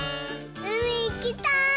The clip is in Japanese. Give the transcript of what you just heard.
うみいきたい！